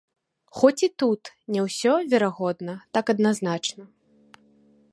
Хоць і тут не ўсё, верагодна, так адназначна.